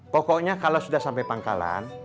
pokoknya kalau sudah sampai pangkalan